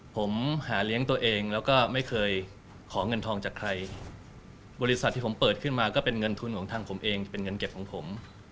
ผมหาเลี้ยงตัวเองแล้วก็ไม่เคยขอเงินทองจากใครบริษัทที่ผมเปิดขึ้นมาก็เป็นเงินทุนของทางผมเองเป็นเงินเก็บของผม